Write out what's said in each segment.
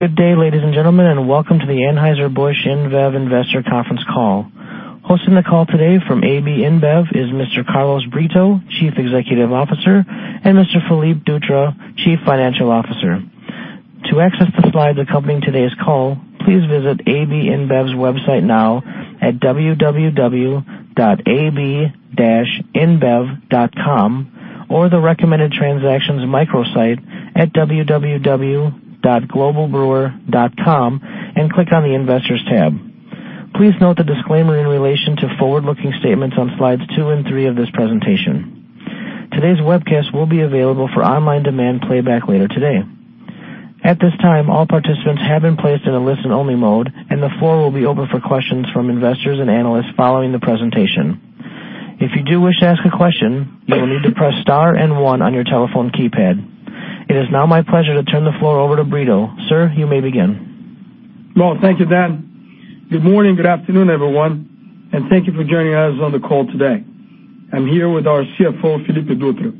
Good day, ladies and gentlemen. Welcome to the Anheuser-Busch InBev Investor Conference Call. Hosting the call today from AB InBev is Mr. Carlos Brito, Chief Executive Officer, and Mr. Felipe Dutra, Chief Financial Officer. To access the slides accompanying today's call, please visit AB InBev's website now at www.ab-inbev.com or the recommended transactions microsite at www.globalbrewer.com and click on the investors tab. Please note the disclaimer in relation to forward-looking statements on slides two and three of this presentation. Today's webcast will be available for online demand playback later today. At this time, all participants have been placed in a listen-only mode. The floor will be open for questions from investors and analysts following the presentation. If you do wish to ask a question, you will need to press star and one on your telephone keypad. It is now my pleasure to turn the floor over to Brito. Sir, you may begin. Well, thank you, Dan. Good morning, good afternoon, everyone. Thank you for joining us on the call today. I'm here with our CFO, Felipe Dutra.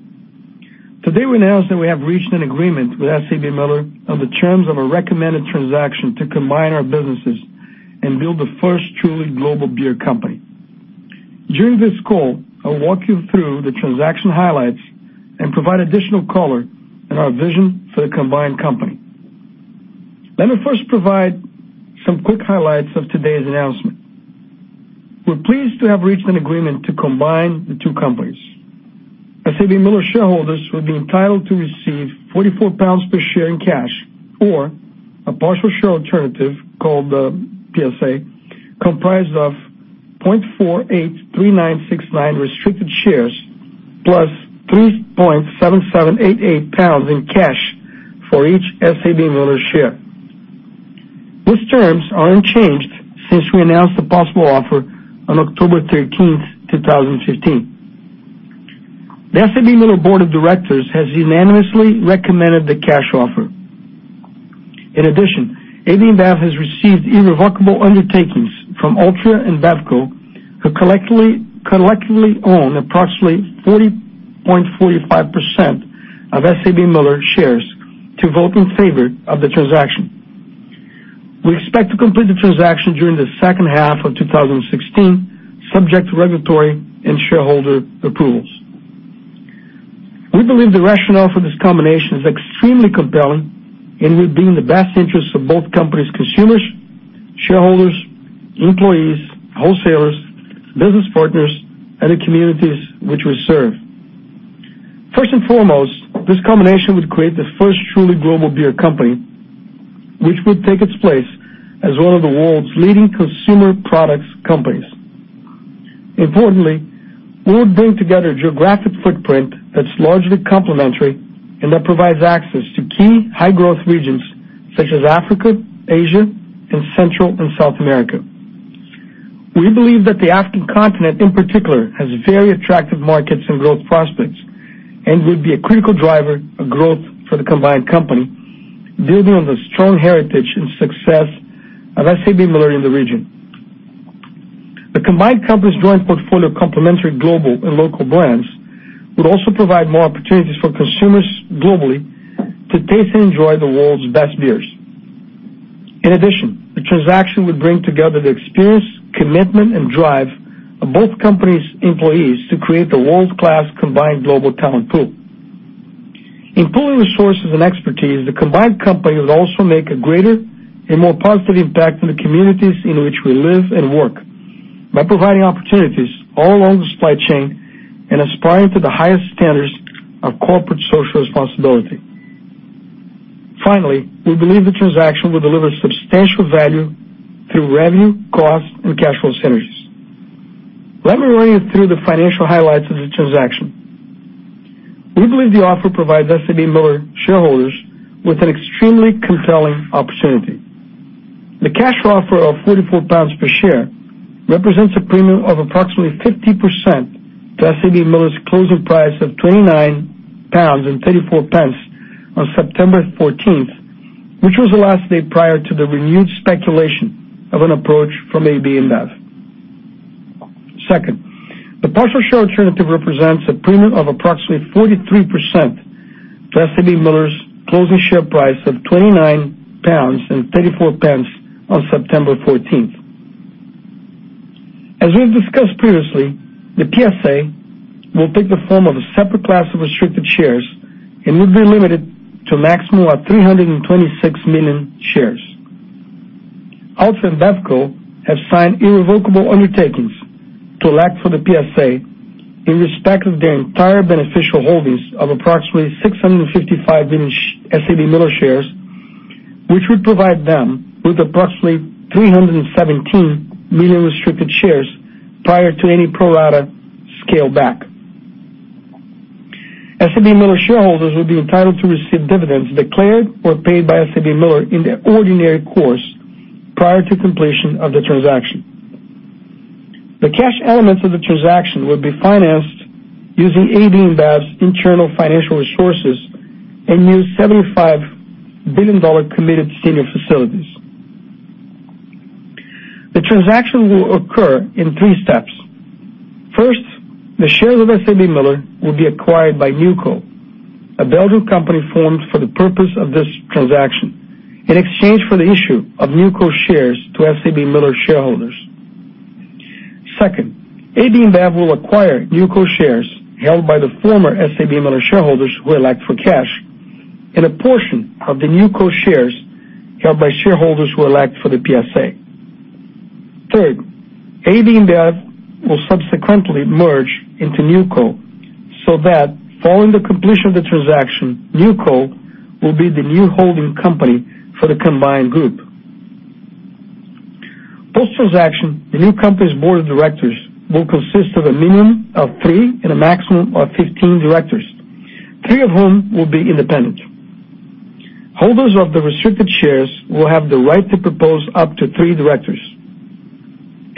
Today, we announced that we have reached an agreement with SABMiller on the terms of a recommended transaction to combine our businesses and build the first truly global beer company. During this call, I'll walk you through the transaction highlights and provide additional color on our vision for the combined company. Let me first provide some quick highlights of today's announcement. We're pleased to have reached an agreement to combine the two companies. SABMiller shareholders will be entitled to receive 44 pounds per share in cash or a partial share alternative called the PSA, comprised of 0.483969 restricted shares plus 3.7788 pounds in cash for each SABMiller share. These terms are unchanged since we announced the possible offer on October 13th, 2015. The SABMiller board of directors has unanimously recommended the cash offer. In addition, AB InBev has received irrevocable undertakings from Altria and BevCo, who collectively own approximately 40.45% of SABMiller shares to vote in favor of the transaction. We expect to complete the transaction during the second half of 2016, subject to regulatory and shareholder approvals. We believe the rationale for this combination is extremely compelling and will be in the best interest of both companies, consumers, shareholders, employees, wholesalers, business partners, and the communities which we serve. First and foremost, this combination would create the first truly global beer company, which would take its place as one of the world's leading consumer products companies. Importantly, we would bring together a geographic footprint that's largely complementary and that provides access to key high-growth regions such as Africa, Asia, and Central and South America. We believe that the African continent, in particular, has very attractive markets and growth prospects and would be a critical driver of growth for the combined company, building on the strong heritage and success of SABMiller in the region. The combined company's joint portfolio of complementary global and local brands would also provide more opportunities for consumers globally to taste and enjoy the world's best beers. In addition, the transaction would bring together the experience, commitment, and drive of both companies' employees to create a world-class combined global talent pool. In pooling resources and expertise, the combined company would also make a greater and more positive impact on the communities in which we live and work by providing opportunities all along the supply chain and aspiring to the highest standards of corporate social responsibility. Finally, we believe the transaction will deliver substantial value through revenue, cost, and cash flow synergies. Let me run you through the financial highlights of the transaction. We believe the offer provides SABMiller shareholders with an extremely compelling opportunity. The cash offer of 44 pounds per share represents a premium of approximately 50% to SABMiller's closing price of 29.34 pounds on September 14th, which was the last day prior to the renewed speculation of an approach from AB InBev. Second, the partial share alternative represents a premium of approximately 43% to SABMiller's closing share price of 29.34 pounds on September 14th. As we've discussed previously, the PSA will take the form of a separate class of restricted shares and will be limited to a maximum of 326 million shares. Altria and BevCo have signed irrevocable undertakings to elect for the PSA in respect of their entire beneficial holdings of approximately 655 million SABMiller shares, which would provide them with approximately 317 million restricted shares prior to any pro rata scaleback. SABMiller shareholders will be entitled to receive dividends declared or paid by SABMiller in their ordinary course prior to completion of the transaction. The cash elements of the transaction will be financed using AB InBev's internal financial resources and new $75 billion committed senior facilities. The transaction will occur in three steps. First, the shares of SABMiller will be acquired by NewCo, a Belgian company formed for the purpose of this transaction, in exchange for the issue of NewCo shares to SABMiller shareholders. Second, AB InBev will acquire NewCo shares held by the former SABMiller shareholders who elect for cash, and a portion of the NewCo shares held by shareholders who elect for the PSA. Third, AB InBev will subsequently merge into NewCo, so that following the completion of the transaction, NewCo will be the new holding company for the combined group. Post-transaction, the new company's board of directors will consist of a minimum of three and a maximum of 15 directors, three of whom will be independent. Holders of the restricted shares will have the right to propose up to three directors.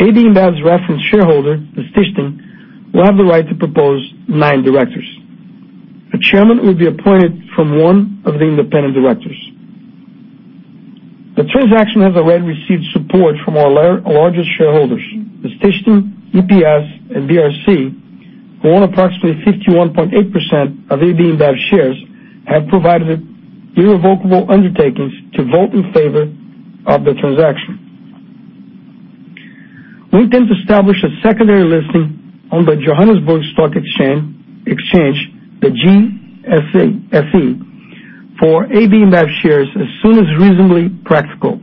AB InBev's reference shareholder, the Stichting, will have the right to propose nine directors. A chairman will be appointed from one of the independent directors. The transaction has already received support from our largest shareholders. The Stichting, EPS, and BRC, who own approximately 51.8% of AB InBev shares, have provided irrevocable undertakings to vote in favor of the transaction. We intend to establish a secondary listing on the Johannesburg Stock Exchange, the JSE, for AB InBev shares as soon as reasonably practical.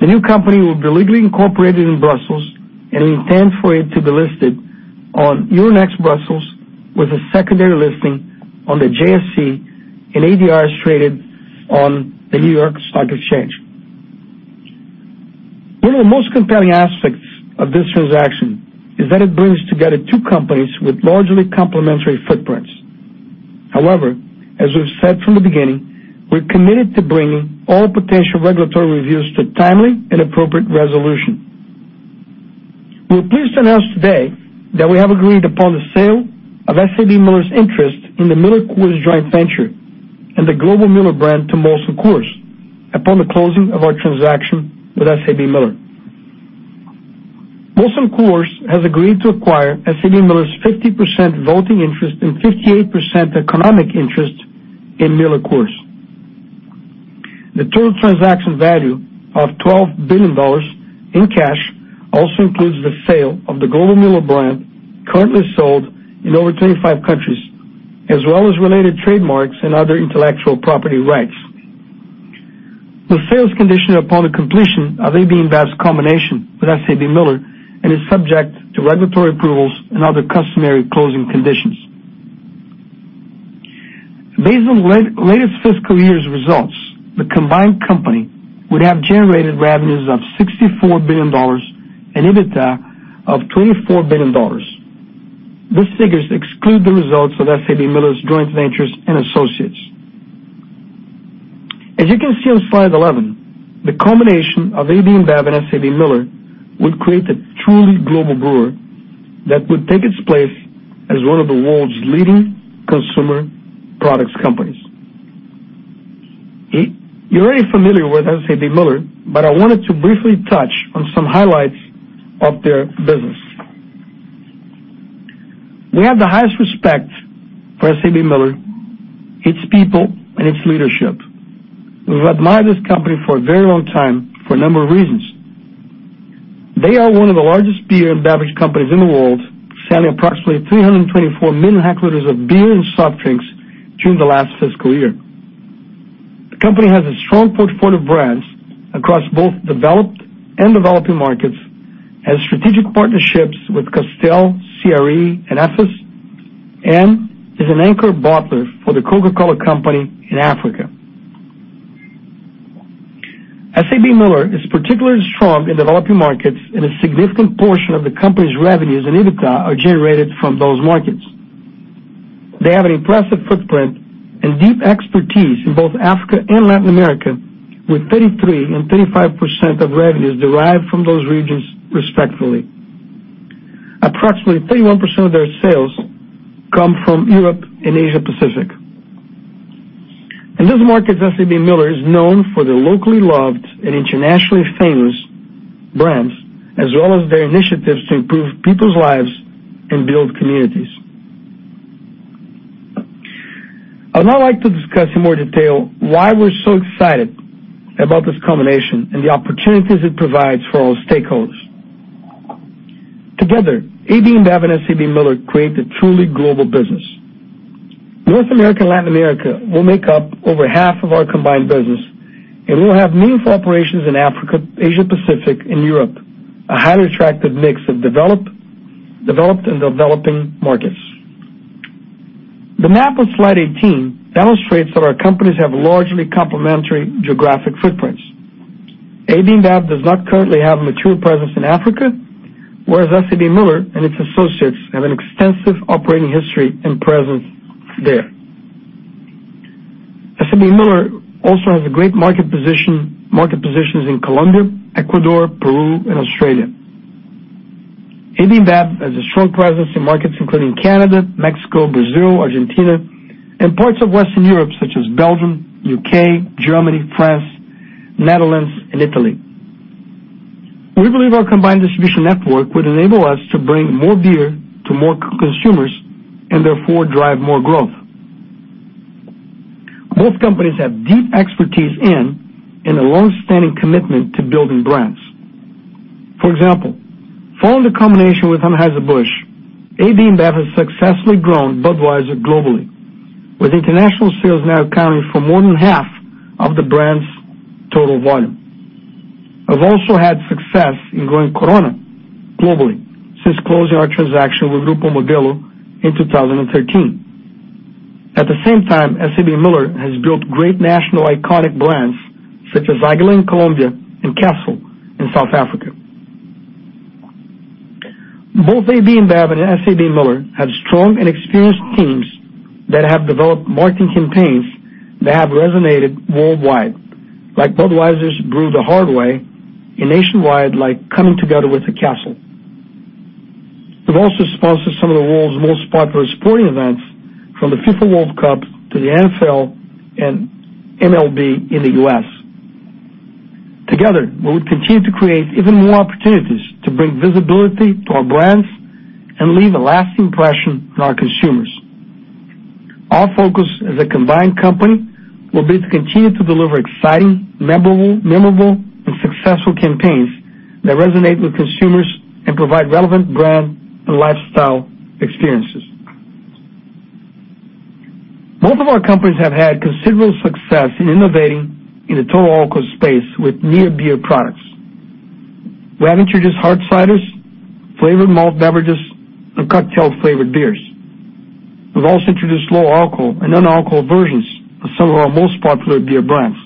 The new company will be legally incorporated in Brussels and intend for it to be listed on Euronext Brussels with a secondary listing on the JSE and ADRs traded on the New York Stock Exchange. One of the most compelling aspects of this transaction is that it brings together two companies with largely complementary footprints. However, as we've said from the beginning, we're committed to bringing all potential regulatory reviews to timely and appropriate resolution. We're pleased to announce today that we have agreed upon the sale of SABMiller's interest in the MillerCoors joint venture and the global Miller brand to Molson Coors upon the closing of our transaction with SABMiller. Molson Coors has agreed to acquire SABMiller's 50% voting interest and 58% economic interest in MillerCoors. The total transaction value of $12 billion in cash also includes the sale of the global Miller brand currently sold in over 25 countries, as well as related trademarks and other intellectual property rights. The sale is conditioned upon the completion of AB InBev's combination with SABMiller and is subject to regulatory approvals and other customary closing conditions. Based on latest fiscal year's results, the combined company would have generated revenues of $64 billion and EBITDA of $24 billion. These figures exclude the results of SABMiller's joint ventures and associates. As you can see on slide 11, the combination of AB InBev and SABMiller would create a truly global brewer that would take its place as one of the world's leading consumer products companies. You're already familiar with SABMiller, but I wanted to briefly touch on some highlights of their business. We have the highest respect for SABMiller, its people, and its leadership. We've admired this company for a very long time for a number of reasons. They are one of the largest beer and beverage companies in the world, selling approximately 324 million hectoliters of beer and soft drinks during the last fiscal year. The company has a strong portfolio of brands across both developed and developing markets, has strategic partnerships with Castel, CR Snow, and Anadolu Efes, and is an anchor bottler for The Coca-Cola Company in Africa. SABMiller is particularly strong in developing markets. A significant portion of the company's revenues and EBITDA are generated from those markets. They have an impressive footprint and deep expertise in both Africa and Latin America, with 33% and 35% of revenues derived from those regions, respectively. Approximately 31% of their sales come from Europe and Asia Pacific. In these markets, SABMiller is known for their locally loved and internationally famous brands, as well as their initiatives to improve people's lives and build communities. I'd now like to discuss in more detail why we're so excited about this combination and the opportunities it provides for all stakeholders. Together, AB InBev and SABMiller create a truly global business. North America and Latin America will make up over half of our combined business, and we'll have meaningful operations in Africa, Asia Pacific, and Europe, a highly attractive mix of developed and developing markets. The map on slide 18 demonstrates that our companies have largely complementary geographic footprints. AB InBev does not currently have a mature presence in Africa, whereas SABMiller and its associates have an extensive operating history and presence there. SABMiller also has great market positions in Colombia, Ecuador, Peru, and Australia. AB InBev has a strong presence in markets including Canada, Mexico, Brazil, Argentina, and parts of Western Europe such as Belgium, U.K., Germany, France, Netherlands, and Italy. We believe our combined distribution network would enable us to bring more beer to more consumers, and therefore, drive more growth. Both companies have deep expertise in and a long-standing commitment to building brands. For example, following the combination with Anheuser-Busch, AB InBev has successfully grown Budweiser globally, with international sales now accounting for more than half of the brand's total volume. We've also had success in growing Corona globally since closing our transaction with Grupo Modelo in 2013. At the same time, SABMiller has built great national iconic brands such as Aguila in Colombia and Castle in South Africa. Both AB InBev and SABMiller have strong and experienced teams that have developed marketing campaigns that have resonated worldwide, like Budweiser's Brewed the Hard Way, and nationwide, like Coming Together with a Castle. We've also sponsored some of the world's most popular sporting events, from the FIFA World Cup to the NFL and MLB in the U.S. Together, we will continue to create even more opportunities to bring visibility to our brands and leave a lasting impression on our consumers. Our focus as a combined company will be to continue to deliver exciting, memorable, and successful campaigns that resonate with consumers and provide relevant brand and lifestyle experiences. Both of our companies have had considerable success in innovating in the total alcohol space with near-beer products. We have introduced hard ciders, flavored malt beverages, and cocktail-flavored beers. We've also introduced low-alcohol and non-alcohol versions of some of our most popular beer brands.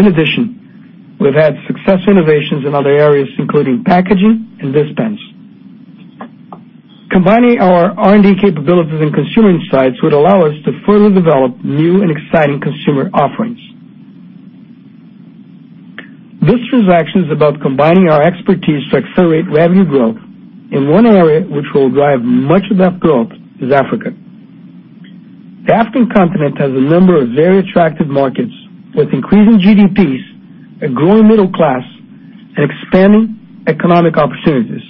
In addition, we've had success innovations in other areas, including packaging and dispense. Combining our R&D capabilities and consumer insights would allow us to further develop new and exciting consumer offerings. This transaction is about combining our expertise to accelerate revenue growth in one area, which will drive much of that growth, is Africa. The African continent has a number of very attractive markets with increasing GDPs, a growing middle class, and expanding economic opportunities.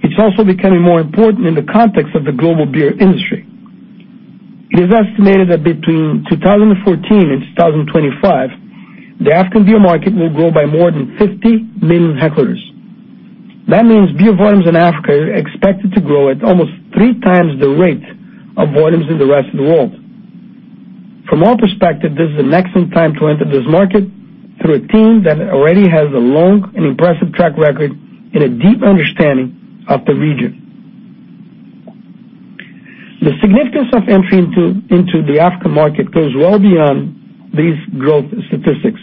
It's also becoming more important in the context of the global beer industry. It is estimated that between 2014 and 2025, the African beer market will grow by more than 50 million hectoliters. That means beer volumes in Africa are expected to grow at almost three times the rate of volumes in the rest of the world. From our perspective, this is an excellent time to enter this market through a team that already has a long and impressive track record and a deep understanding of the region. The significance of entry into the African market goes well beyond these growth statistics.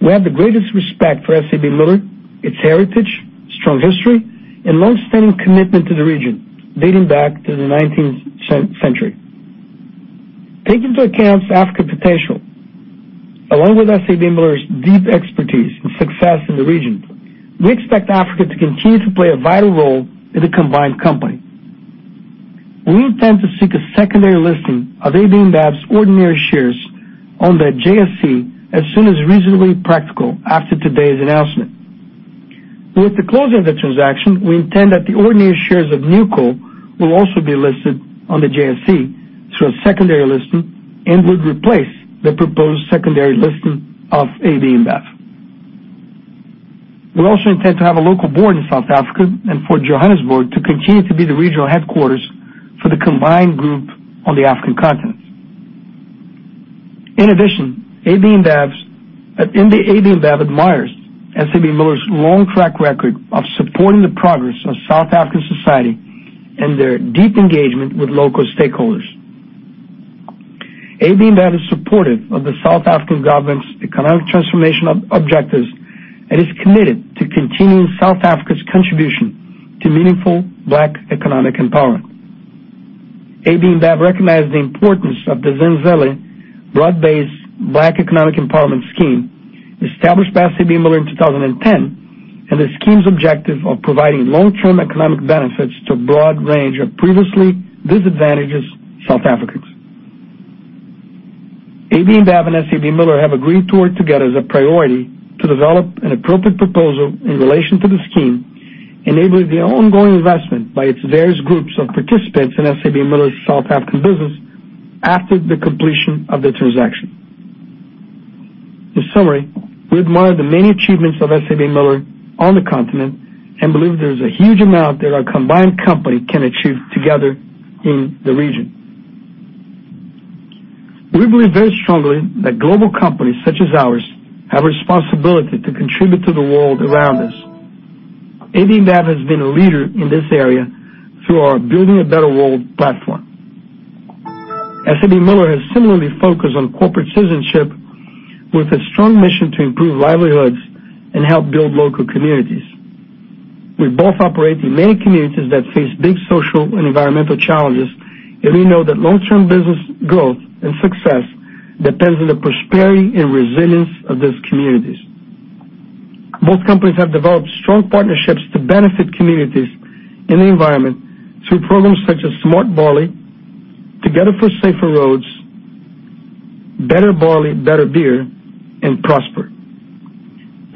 We have the greatest respect for SABMiller, its heritage, strong history, and long-standing commitment to the region, dating back to the 19th century. Taking into account Africa's potential, along with SABMiller's deep expertise and success in the region, we expect Africa to continue to play a vital role in the combined company. We intend to seek a secondary listing of AB InBev's ordinary shares on the JSE as soon as reasonably practical after today's announcement. With the close of the transaction, we intend that the ordinary shares of NewCo will also be listed on the JSE through a secondary listing and would replace the proposed secondary listing of AB InBev. We also intend to have a local board in South Africa and for Johannesburg to continue to be the regional headquarters for the combined group on the African continent. In addition, AB InBev admires SABMiller's long track record of supporting the progress of South African society and their deep engagement with local stakeholders. AB InBev is supportive of the South African government's economic transformation objectives and is committed to continuing South Africa's contribution to meaningful Black economic empowerment. AB InBev recognizes the importance of the Zenzele broad-based Black economic empowerment scheme established by SABMiller in 2010 and the scheme's objective of providing long-term economic benefits to a broad range of previously disadvantaged South Africans. AB InBev and SABMiller have agreed to work together as a priority to develop an appropriate proposal in relation to the scheme, enabling the ongoing investment by its various groups of participants in SABMiller's South African business after the completion of the transaction. We admire the many achievements of SABMiller on the continent and believe there is a huge amount that our combined company can achieve together in the region. We believe very strongly that global companies such as ours have a responsibility to contribute to the world around us. AB InBev has been a leader in this area through our Building a Better World platform. SABMiller has similarly focused on corporate citizenship with a strong mission to improve livelihoods and help build local communities. We both operate in many communities that face big social and environmental challenges, and we know that long-term business growth and success depends on the prosperity and resilience of those communities. Both companies have developed strong partnerships to benefit communities and the environment through programs such as SmartBarley, Together for Safer Roads, Better Barley, Better Beer, and Prosper.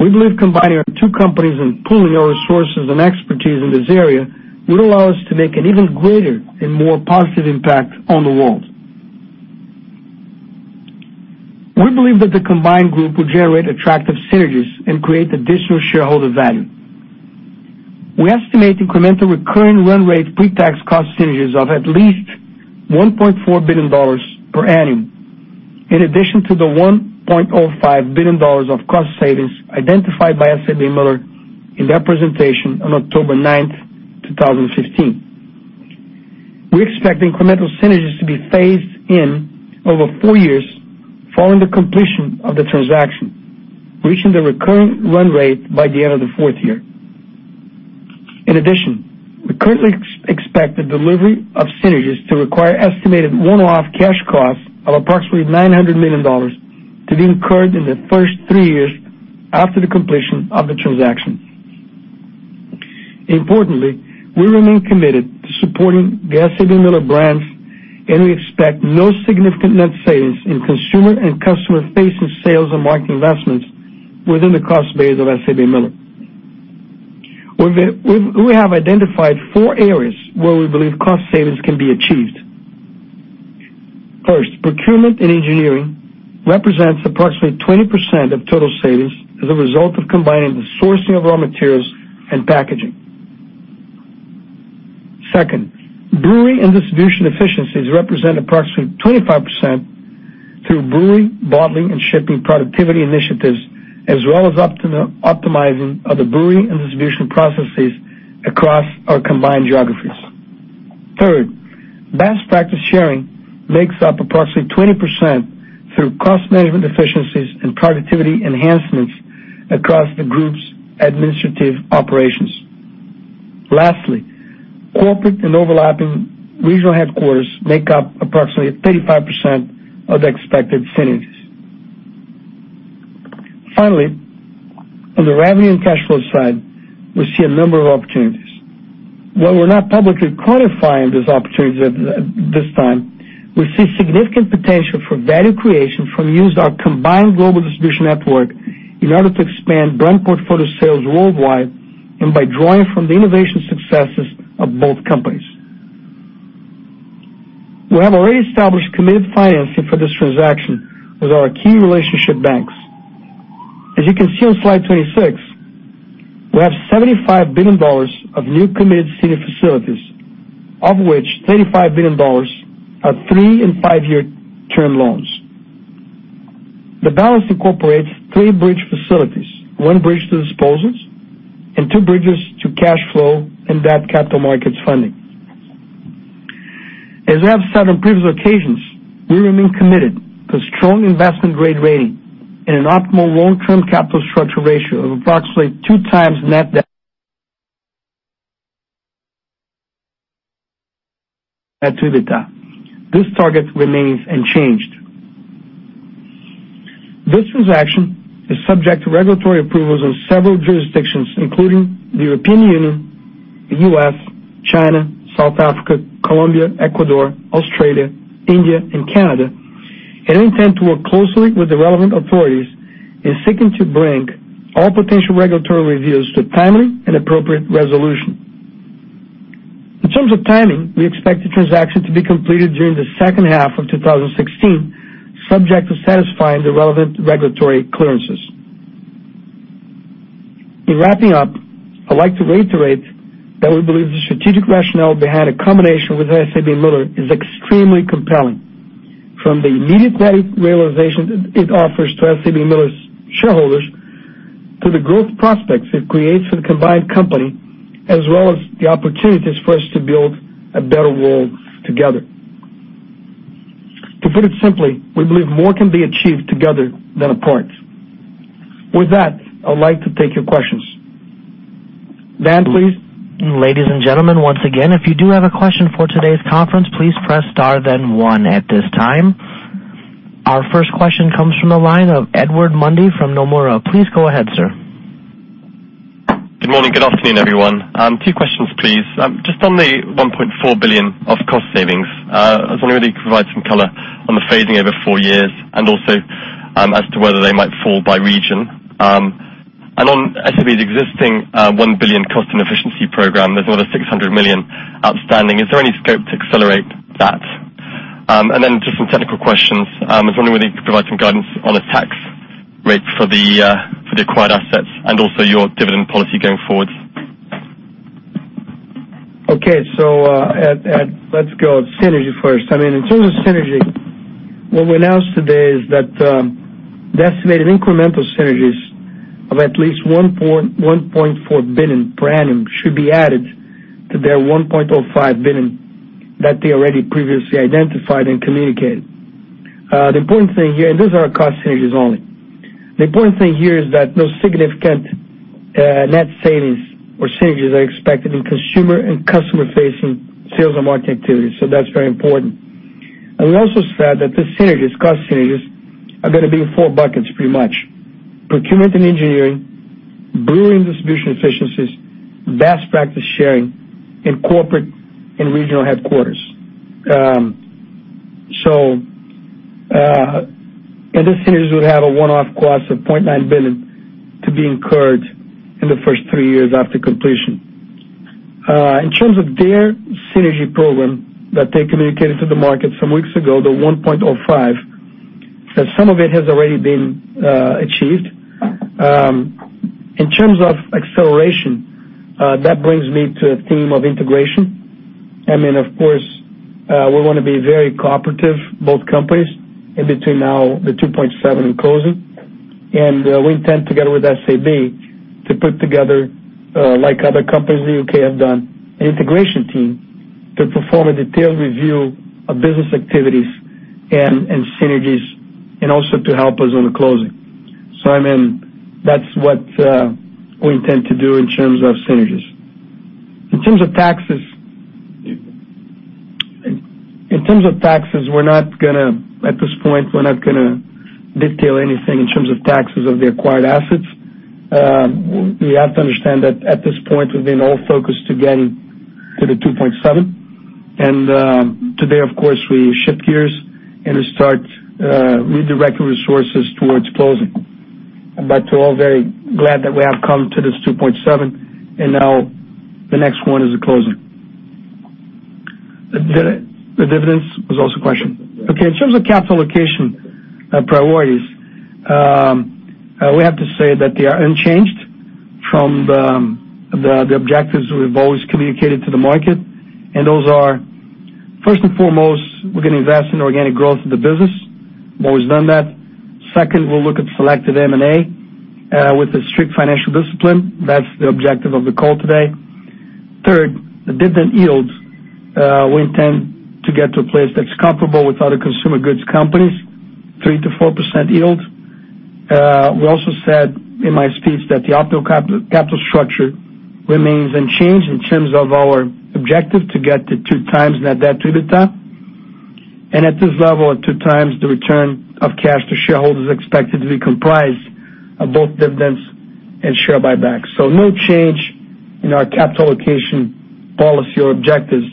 We believe combining our two companies and pooling our resources and expertise in this area will allow us to make an even greater and more positive impact on the world. We believe that the combined group will generate attractive synergies and create additional shareholder value. We estimate incremental recurring run rate pre-tax cost synergies of at least $1.4 billion per annum, in addition to the $1.05 billion of cost savings identified by SABMiller in their presentation on October 9th, 2015. We expect incremental synergies to be phased in over four years following the completion of the transaction, reaching the recurring run rate by the end of the fourth year. We currently expect the delivery of synergies to require estimated one-off cash costs of approximately $900 million to be incurred in the first three years after the completion of the transaction. We remain committed to supporting the SABMiller brands, and we expect no significant net sales in consumer and customer-facing sales and marketing investments within the cost base of SABMiller. We have identified four areas where we believe cost savings can be achieved. First, procurement and engineering represents approximately 20% of total savings as a result of combining the sourcing of raw materials and packaging. Second, brewery and distribution efficiencies represent approximately 25% through brewery, bottling, and shipping productivity initiatives, as well as optimizing of the brewery and distribution processes across our combined geographies. Third, best practice sharing makes up approximately 20% through cost management efficiencies and productivity enhancements across the group's administrative operations. Lastly, corporate and overlapping regional headquarters make up approximately 35% of the expected synergies. On the revenue and cash flow side, we see a number of opportunities. While we are not publicly quantifying these opportunities at this time, we see significant potential for value creation from using our combined global distribution network in order to expand brand portfolio sales worldwide and by drawing from the innovation successes of both companies. We have already established committed financing for this transaction with our key relationship banks. As you can see on slide 26, we have $75 billion of new committed senior facilities, of which $35 billion are three and five-year term loans. The balance incorporates three bridge facilities, one bridge to disposals, and two bridges to cash flow and debt capital markets funding. As I have said on previous occasions, we remain committed to a strong investment-grade rating and an optimal long-term capital structure ratio of approximately two times net debt at EBITDA. This target remains unchanged. This transaction is subject to regulatory approvals in several jurisdictions, including the European Union, the U.S., China, South Africa, Colombia, Ecuador, Australia, India, and Canada, and we intend to work closely with the relevant authorities in seeking to bring all potential regulatory reviews to a timely and appropriate resolution. In terms of timing, we expect the transaction to be completed during the second half of 2016, subject to satisfying the relevant regulatory clearances. In wrapping up, I'd like to reiterate that we believe the strategic rationale behind a combination with SABMiller is extremely compelling, from the immediate value realization it offers to SABMiller's shareholders to the growth prospects it creates for the combined company, as well as the opportunities for us to build a better world together. To put it simply, we believe more can be achieved together than apart. With that, I'd like to take your questions. Dan, please. Ladies and gentlemen, once again, if you do have a question for today's conference, please press star then one at this time. Our first question comes from the line of Edward Mundy from Nomura. Please go ahead, sir. Good morning. Good afternoon, everyone. Two questions, please. On the $1.4 billion of cost savings, I was wondering whether you could provide some color on the phasing over four years and also as to whether they might fall by region. On SAB's existing $1 billion cost and efficiency program, there's another $600 million outstanding. Is there any scope to accelerate that? Some technical questions. I was wondering whether you could provide some guidance on a tax rate for the acquired assets and also your dividend policy going forward. Ed, let's go synergy first. In terms of synergy, what we announced today is that the estimated incremental synergies of at least $1.4 billion per annum should be added to their $1.05 billion that they already previously identified and communicated. The important thing here. These are our cost synergies only. The important thing here is that no significant net savings or synergies are expected in consumer and customer-facing sales or market activities. That's very important. We also said that the synergies, cost synergies, are going to be in four buckets, pretty much. Procurement and engineering, brewing distribution efficiencies, best practice sharing, and corporate and regional headquarters. These synergies would have a one-off cost of $0.9 billion to be incurred in the first three years after completion. In terms of their synergy program that they communicated to the market some weeks ago, the $1.05 billion, some of it has already been achieved. In terms of acceleration, that brings me to a theme of integration. Of course, we want to be very cooperative, both companies, in between now, the 2.7 and closing. We intend, together with SAB, to put together, like other companies in the U.K. have done, an integration team to perform a detailed review of business activities and synergies, and also to help us on the closing. That's what we intend to do in terms of synergies. In terms of taxes, at this point, we're not going to detail anything in terms of taxes of the acquired assets. You have to understand that at this point, we've been all focused to getting to the 2.7. Today, of course, we shift gears and we start redirecting resources towards closing. We're all very glad that we have come to this 2.7. Now the next one is the closing. The dividends was also a question. In terms of capital allocation priorities, we have to say that they are unchanged from the objectives we've always communicated to the market. Those are, first and foremost, we're going to invest in organic growth of the business. Always done that. Second, we'll look at selective M&A with a strict financial discipline. That's the objective of the call today. Third, the dividend yields, we intend to get to a place that's comparable with other consumer goods companies, 3%-4% yield. We also said in my speech that the optimal capital structure remains unchanged in terms of our objective to get to two times net debt to EBITDA. At this level, at two times, the return of cash to shareholders expected to be comprised of both dividends and share buybacks. No change in our capital allocation policy or objectives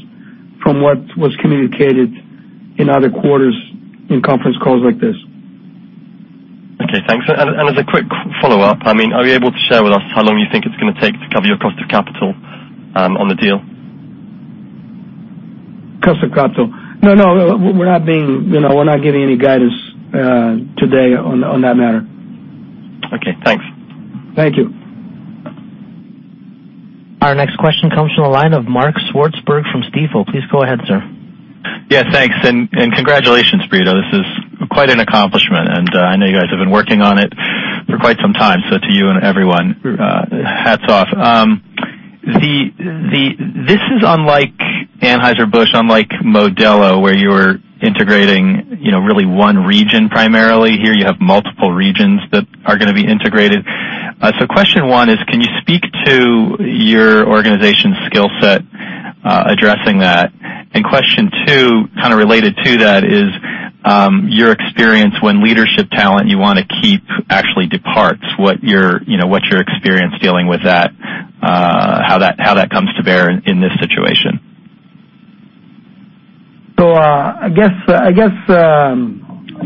from what was communicated in other quarters in conference calls like this. Okay, thanks. As a quick follow-up, are you able to share with us how long you think it's going to take to cover your cost of capital on the deal? Cost of capital. No, we're not giving any guidance today on that matter. Okay, thanks. Thank you. Our next question comes from the line of Mark Swartzberg from Stifel. Please go ahead, sir. Thanks, and congratulations, Brito. This is quite an accomplishment, and I know you guys have been working on it for quite some time. To you and everyone, hats off. This is unlike Anheuser-Busch, unlike Modelo, where you're integrating really one region primarily. Here you have multiple regions that are going to be integrated. Question one is, can you speak to your organization's skillset addressing that? Question two, kind of related to that, is your experience when leadership talent you want to keep actually departs. What's your experience dealing with that? How that comes to bear in this situation? I guess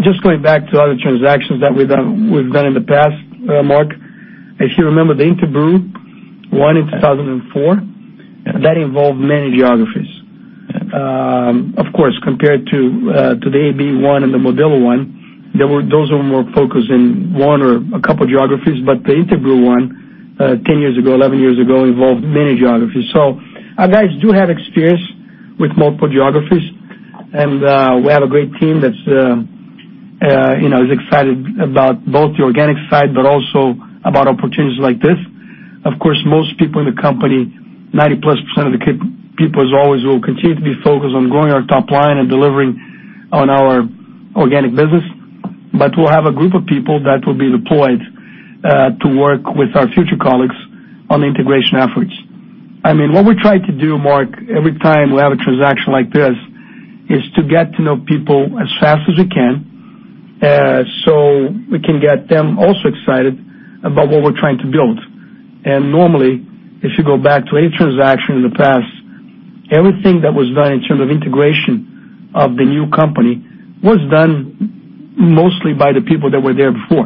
just going back to other transactions that we've done in the past, Mark. If you remember the Interbrew one in 2004. Yeah that involved many geographies. Of course, compared to the AB and the Modelo, those were more focused in one or a couple geographies, but the Interbrew, 10 years ago, 11 years ago, involved many geographies. Our guys do have experience with multiple geographies, and we have a great team that's excited about both the organic side, but also about opportunities like this. Of course, most people in the company, 90% plus of the people, as always, will continue to be focused on growing our top line and delivering on our organic business. We'll have a group of people that will be deployed to work with our future colleagues on the integration efforts. What we try to do, Mark, every time we have a transaction like this, is to get to know people as fast as we can, so we can get them also excited about what we're trying to build. Normally, if you go back to any transaction in the past, everything that was done in terms of integration of the new company was done mostly by the people that were there before.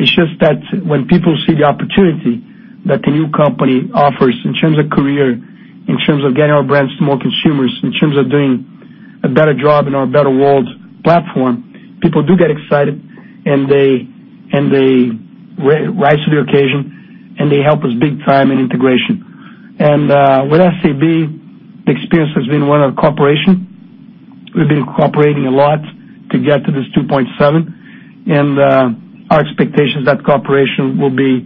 It's just that when people see the opportunity that the new company offers in terms of career, in terms of getting our brands to more consumers, in terms of doing a better job in our Building a Better World platform, people do get excited, and they rise to the occasion, and they help us big time in integration. With SAB, the experience has been one of cooperation. We've been cooperating a lot to get to this 2.7, our expectation is that cooperation will be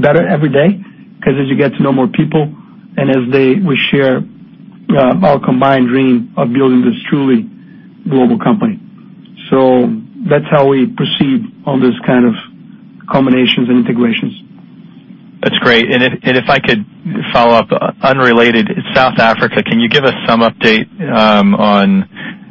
better every day, because as you get to know more people, and as we share our combined dream of building this truly Global company. That's how we proceed on those kind of combinations and integrations. That's great. If I could follow up, unrelated, South Africa, can you give us some update on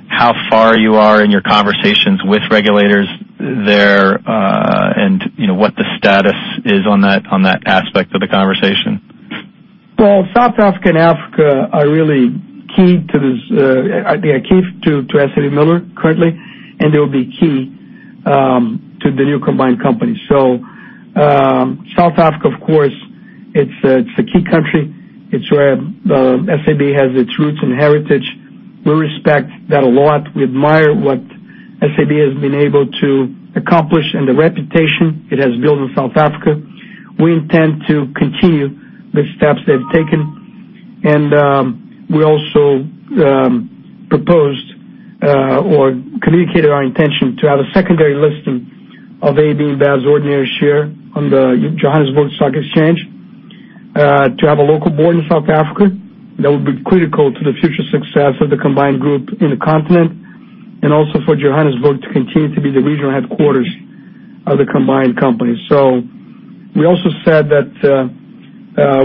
how far you are in your conversations with regulators there, and what the status is on that aspect of the conversation? South Africa and Africa are really key to SABMiller currently, and they'll be key to the new combined company. South Africa, of course, it's a key country. It's where SAB has its roots and heritage. We respect that a lot. We admire what SAB has been able to accomplish and the reputation it has built in South Africa. We intend to continue the steps they've taken, and we also proposed, or communicated our intention to have a secondary listing of AB InBev ordinary share on the Johannesburg Stock Exchange, to have a local board in South Africa that would be critical to the future success of the combined group in the continent, and also for Johannesburg to continue to be the regional headquarters of the combined company. We also said that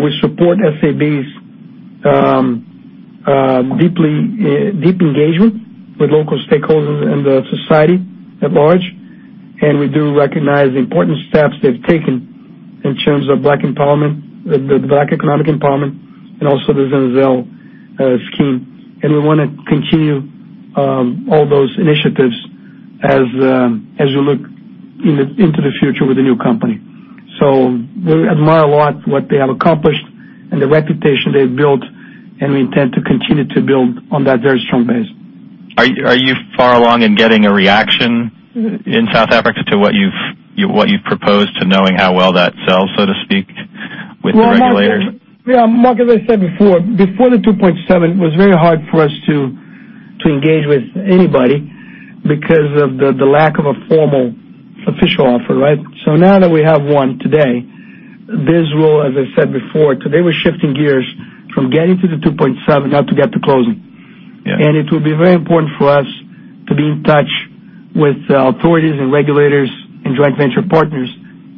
we support SAB's deep engagement with local stakeholders and the society at large, and we do recognize the important steps they've taken in terms of Black Empowerment, the Black Economic Empowerment, and also the Zenzele scheme. We want to continue all those initiatives as we look into the future with the new company. We admire a lot what they have accomplished and the reputation they've built, and we intend to continue to build on that very strong base. Are you far along in getting a reaction in South Africa to what you've proposed to knowing how well that sells, so to speak, with the regulators? Mark, as I said before the 2.7, it was very hard for us to engage with anybody because of the lack of a formal, official offer, right? Now that we have one today, this will, as I said before, today we're shifting gears from getting to the 2.7 now to get to closing. Yeah. It will be very important for us to be in touch with authorities and regulators and joint venture partners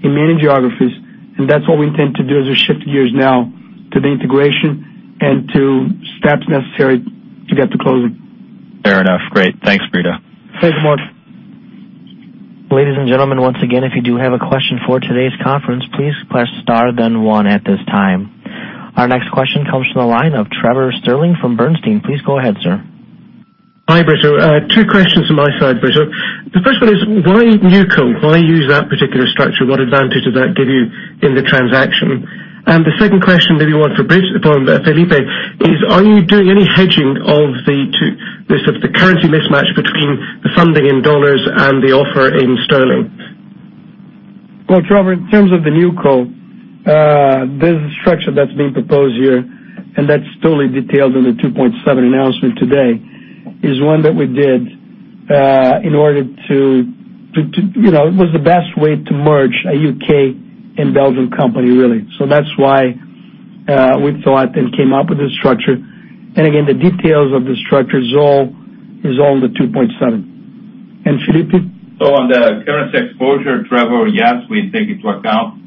in many geographies. That's what we intend to do as we shift gears now to the integration and to steps necessary to get to closing. Fair enough. Great. Thanks, Brito. Thank you, Mark. Ladies and gentlemen, once again, if you do have a question for today's conference, please press star then one at this time. Our next question comes from the line of Trevor Stirling from Bernstein. Please go ahead, sir. Hi, Brito. Two questions on my side, Brito. The first one is why NewCo? Why use that particular structure? What advantage does that give you in the transaction? The second question, maybe one for Felipe, is, are you doing any hedging of the currency mismatch between the funding in dollars and the offer in sterling? Well, Trevor, in terms of the NewCo, this structure that's being proposed here, and that's totally detailed in the Rule 2.7 Announcement today, is one that we did in order. It was the best way to merge a U.K. and Belgium company, really. That's why we thought and came up with this structure. Again, the details of the structure is all in the Rule 2.7. Felipe? On the currency exposure, Trevor, yes, we take into account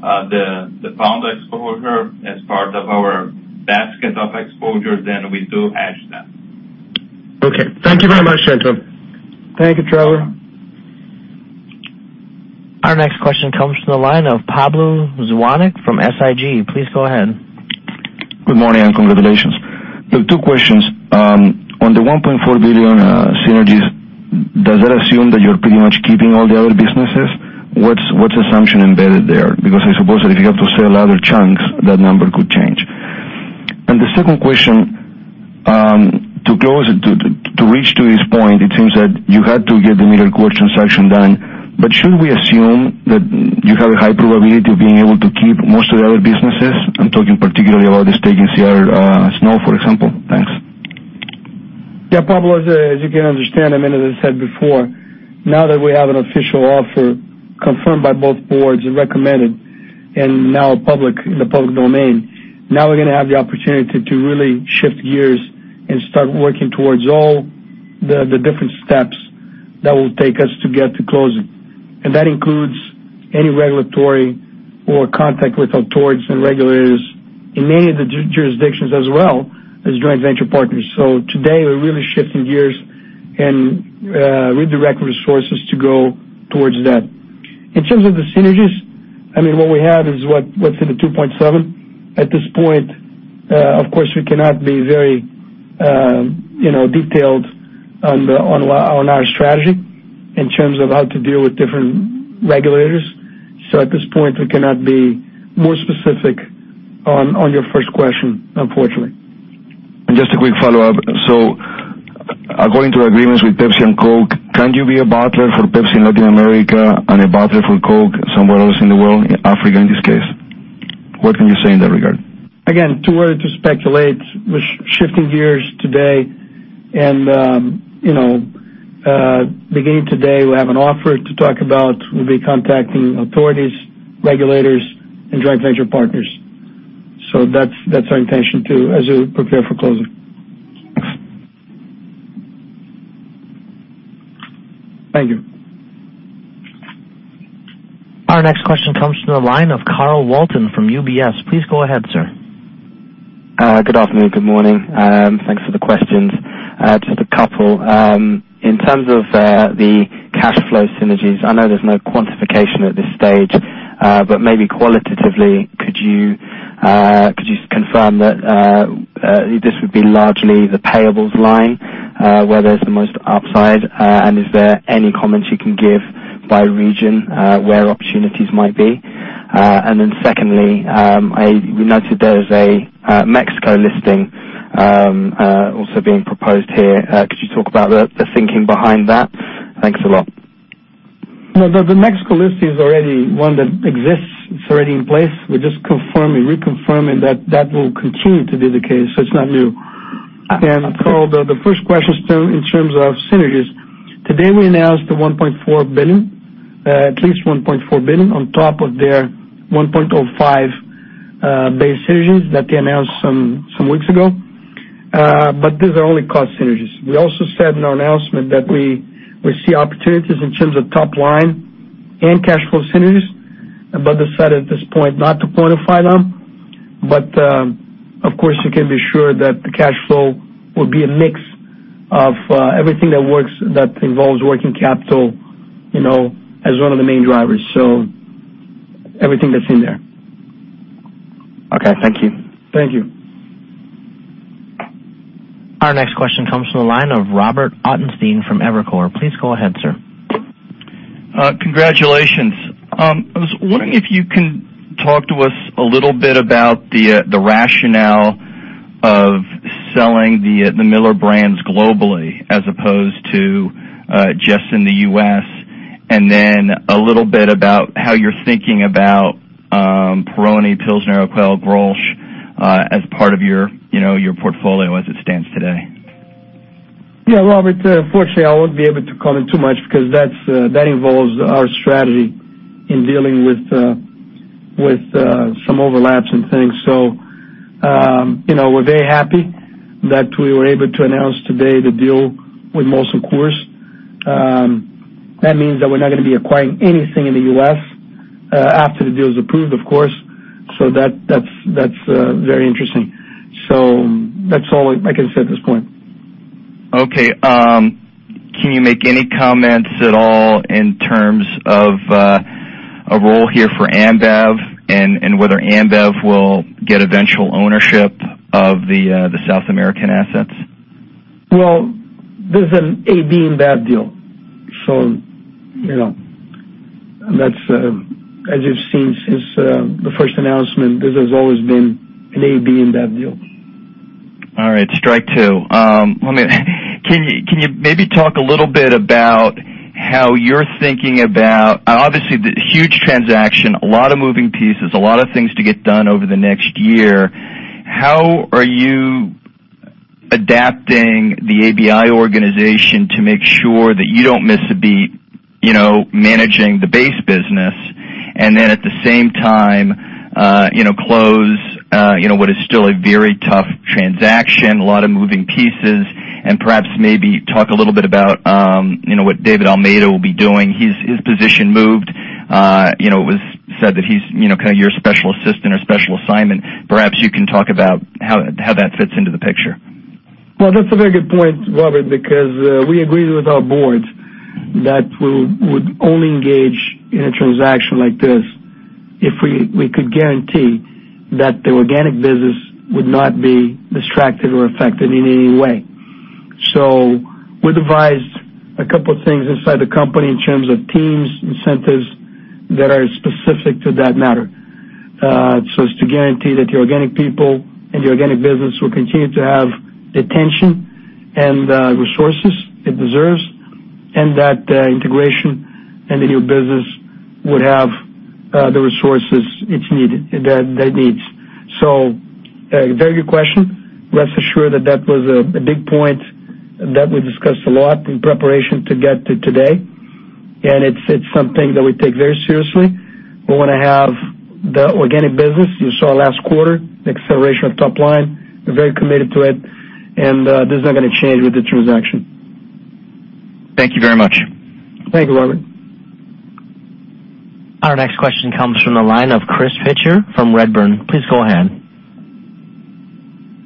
the pound exposure as part of our basket of exposure, we do hedge that. Okay. Thank you very much, gentlemen. Thank you, Trevor. Our next question comes from the line of Pablo Zuanic from SIG. Please go ahead. Good morning, and congratulations. Two questions. On the 1.4 billion synergies, does that assume that you're pretty much keeping all the other businesses? What's the assumption embedded there? Because I suppose that if you have to sell other chunks, that number could change. The second question, to reach to this point, it seems that you had to get the MillerCoors transaction done. But should we assume that you have a high probability of being able to keep most of the other businesses? I am talking particularly about the stake in CR Snow, for example. Thanks. Pablo, as you can understand, as I said before, now that we have an official offer confirmed by both boards and recommended, now in the public domain, now we are going to have the opportunity to really shift gears and start working towards all the different steps that will take us to get to closing. That includes any regulatory or contact with authorities and regulators in many of the jurisdictions as well as joint venture partners. Today, we are really shifting gears and redirect resources to go towards that. In terms of the synergies, what we have is what is in the 2.7. At this point, of course, we cannot be very detailed on our strategy in terms of how to deal with different regulators. At this point, we cannot be more specific on your first question, unfortunately. Just a quick follow-up. According to agreements with PepsiCo and Coke, can you be a bottler for PepsiCo in Latin America and a bottler for Coke somewhere else in the world, Africa, in this case? What can you say in that regard? Again, too early to speculate. We're shifting gears today and beginning today, we have an offer to talk about. We'll be contacting authorities, regulators, and joint venture partners. That's our intention, too, as we prepare for closing. Thank you. Our next question comes from the line of Sanjeet Aujla from UBS. Please go ahead, sir. Good afternoon. Good morning. Thanks for the questions. Just a couple. In terms of the cash flow synergies, I know there's no quantification at this stage, but maybe qualitatively, could you confirm that this would be largely the payables line, where there's the most upside? Is there any comments you can give by region, where opportunities might be? Secondly, we noted there is a Mexico listing also being proposed here. Could you talk about the thinking behind that? Thanks a lot. No, the Mexico listing is already one that exists. It's already in place. We're just reconfirming that that will continue to be the case. It's not new. Carl, the first question, in terms of synergies, today we announced the $1.4 billion, at least $1.4 billion on top of their $1.05 base synergies that they announced some weeks ago. These are only cost synergies. We also said in our announcement that we see opportunities in terms of top-line and cash flow synergies, but decided at this point not to quantify them. Of course, you can be sure that the cash flow will be a mix of everything that involves working capital as one of the main drivers. Everything that's in there. Okay. Thank you. Thank you. Our next question comes from the line of Robert Ottenstein from Evercore. Please go ahead, sir. Congratulations. I was wondering if you can talk to us a little bit about the rationale of selling the Miller brands globally as opposed to just in the U.S., and then a little bit about how you're thinking about Peroni, Pilsner Urquell, Grolsch, as part of your portfolio as it stands today. Yeah, Robert, unfortunately, I won't be able to comment too much because that involves our strategy in dealing with some overlaps and things. We're very happy that we were able to announce today the deal with Molson Coors. That means that we're not going to be acquiring anything in the U.S., after the deal is approved, of course. That's very interesting. That's all I can say at this point. Okay. Can you make any comments at all in terms of a role here for AmBev and whether AmBev will get eventual ownership of the South American assets? Well, this is an AB InBev deal. As you've seen since the first announcement, this has always been an AB InBev deal. All right, strike two. Can you maybe talk a little bit about how you're thinking, obviously, the huge transaction, a lot of moving pieces, a lot of things to get done over the next year. How are you adapting the ABI organization to make sure that you don't miss a beat managing the base business, then at the same time close what is still a very tough transaction, a lot of moving pieces. Perhaps maybe talk a little bit about what David Almeida will be doing. His position moved. It was said that he's kind of your special assistant or special assignment. Perhaps you can talk about how that fits into the picture. Well, that's a very good point, Robert, because we agreed with our boards that we would only engage in a transaction like this if we could guarantee that the organic business would not be distracted or affected in any way. We devised a couple of things inside the company in terms of teams, incentives, that are specific to that matter. As to guarantee that the organic people and the organic business will continue to have the attention and resources it deserves, and that integration in the new business would have the resources that it needs. A very good question. Rest assured that that was a big point that we discussed a lot in preparation to get to today, and it's something that we take very seriously. We want to have the organic business. You saw last quarter, the acceleration of top line. We're very committed to it, and this is not going to change with the transaction. Thank you very much. Thank you, Robert. Our next question comes from the line of Chris Pitcher from Redburn. Please go ahead.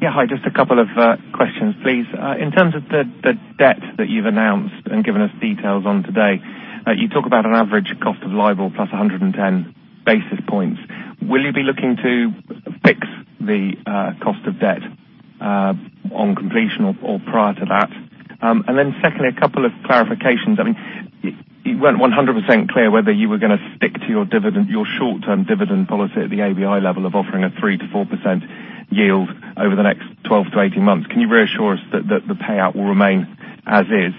Yeah. Hi. Just a couple of questions, please. In terms of the debt that you've announced and given us details on today, you talk about an average cost of LIBOR plus 110 basis points. Will you be looking to fix the cost of debt on completion or prior to that? Secondly, a couple of clarifications. It wasn't 100% clear whether you were going to stick to your short-term dividend policy at the ABI level of offering a 3%-4% yield over the next 12-18 months. Can you reassure us that the payout will remain as is?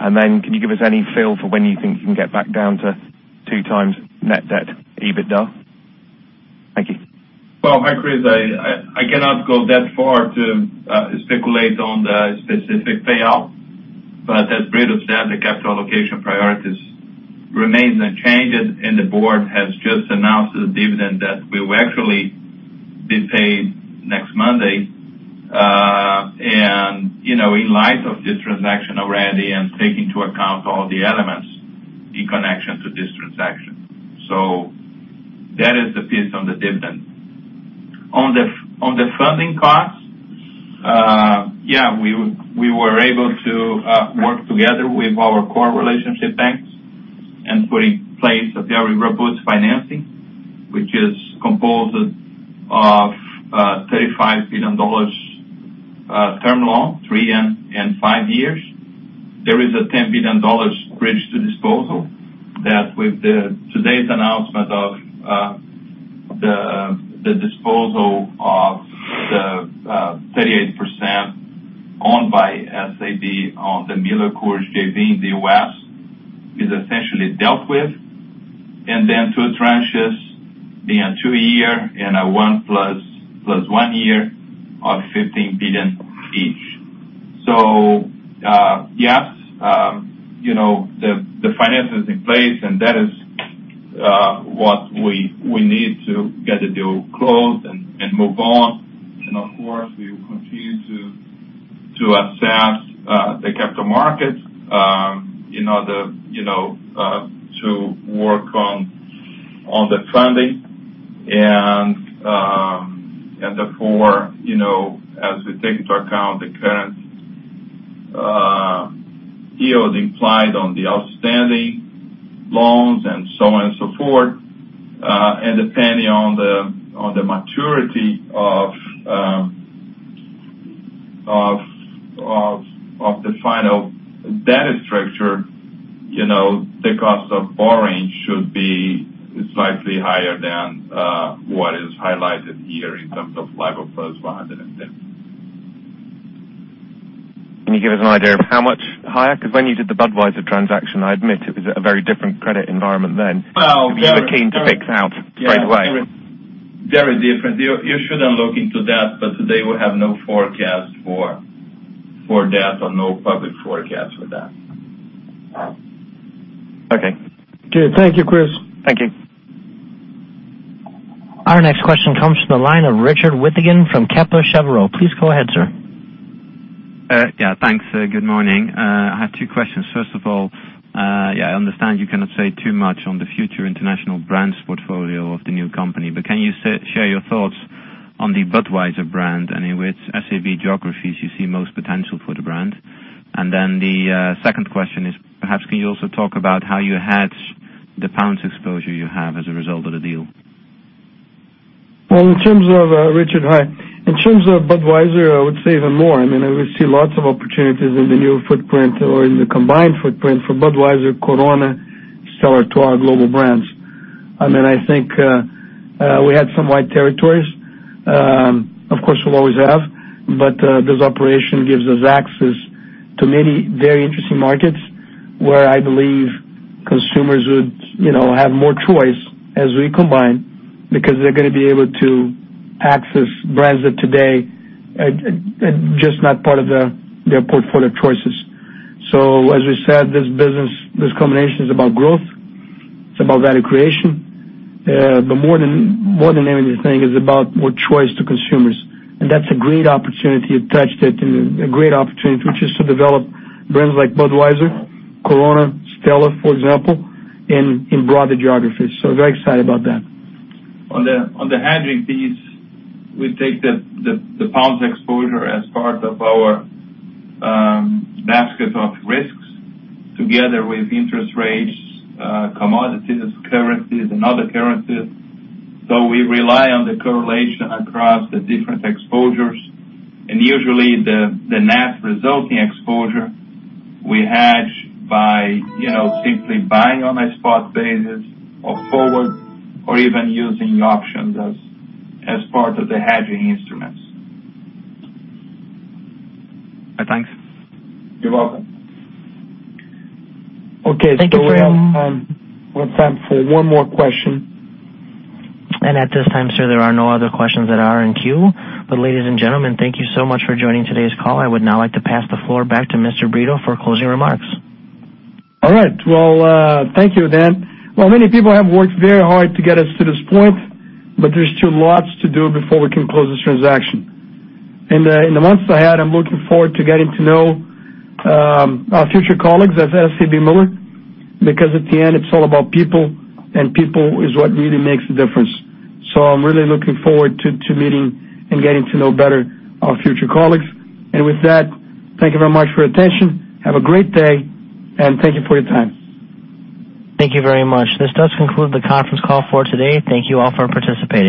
Then can you give us any feel for when you think you can get back down to two times net debt EBITDA? Thank you. Well, hi, Chris. I cannot go that far to speculate on the specific payout As Brito said, the capital allocation priorities remains unchanged, and the board has just announced the dividend that will actually be paid next Monday. In light of this transaction already and taking into account all the elements in connection to this transaction. That is the piece on the dividend. On the funding cost, we were able to work together with our core relationship banks and put in place a very robust financing, which is composed of a $35 billion term loan, three and five years. There is a $10 billion bridge to disposal that with today's announcement of the disposal of the 38% owned by SAB on the MillerCoors joint venture in the U.S. is essentially dealt with, and then two tranches being a 2 year and a 1 + 1 year of $15 billion each. Yes, the finance is in place, and that is what we need to get the deal closed and move on. Of course, we will continue to assess the capital markets to work on the funding and, therefore, as we take into account the current yield implied on the outstanding loans and so on and so forth, and depending on the maturity of the final debt structure, the cost of borrowing should be slightly higher than what is highlighted here in terms of LIBOR + 150. Can you give us an idea of how much higher? Because when you did the Budweiser transaction, I admit it was a very different credit environment then. Well- You were keen to fix out right away. Very different. You should look into that, but today we have no forecast for that or no public forecast for that. Okay. Okay. Thank you, Chris. Thank you. Our next question comes from the line of Richard Withagen from Kepler Cheuvreux. Please go ahead, sir. Thanks. Good morning. I have two questions. First of all, I understand you cannot say too much on the future international brands portfolio of the new company, but can you share your thoughts on the Budweiser brand and in which SAB geographies you see most potential for the brand? The second question is, perhaps can you also talk about how you hedge the pounds exposure you have as a result of the deal? Well, Richard, hi. In terms of Budweiser, I would say even more. I mean, we see lots of opportunities in the new footprint or in the combined footprint for Budweiser, Corona, Stella to our global brands. I think we had some white territories, of course, we'll always have, but this operation gives us access to many very interesting markets where I believe consumers would have more choice as we combine because they're going to be able to access brands that today are just not part of their portfolio choices. As we said, this business, this combination is about growth. It's about value creation. More than anything, it's about more choice to consumers. That's a great opportunity attached to it, and a great opportunity, which is to develop brands like Budweiser, Corona, Stella, for example, in broader geographies. Very excited about that. On the hedging piece, we take the pounds exposure as part of our basket of risks together with interest rates, commodities, currencies, and other currencies. We rely on the correlation across the different exposures, and usually the net resulting exposure we hedge by simply buying on a spot basis or forward or even using options as part of the hedging instruments. Thanks. You're welcome. Okay. Thank you very much. We have time for one more question. At this time, sir, there are no other questions that are in queue. Ladies and gentlemen, thank you so much for joining today's call. I would now like to pass the floor back to Mr. Brito for closing remarks. All right. Well, thank you, Dan. Well, many people have worked very hard to get us to this point, there's still lots to do before we can close this transaction. In the months ahead, I'm looking forward to getting to know our future colleagues at SABMiller, because at the end, it's all about people is what really makes a difference. I'm really looking forward to meeting and getting to know better our future colleagues. With that, thank you very much for your attention. Have a great day, and thank you for your time. Thank you very much. This does conclude the conference call for today. Thank you all for participating.